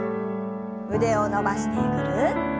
腕を伸ばしてぐるっと。